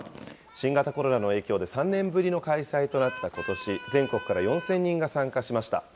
新型コロナの影響で、３年ぶりの開催となったことし、全国から４０００人が参加しました。